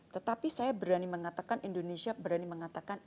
tetapi saya berani mengatakan indonesia berani mengatakan